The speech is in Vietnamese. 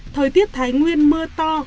thời tiết thái nguyên mưa to